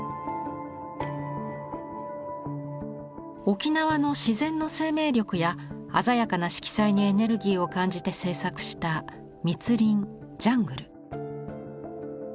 沖縄の自然の生命力や鮮やかな色彩にエネルギーを感じて制作した「密林ジャングル」。